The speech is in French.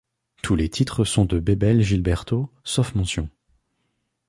Tous les titres sont de Bebel Gilberto, sauf mentions.